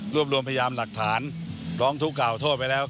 รวมรวมพยานหลักฐานร้องทุกข่าวโทษไปแล้ว